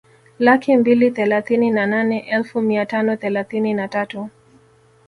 Laki mbili thelathini na nane elfu mia tano thelathini na tatu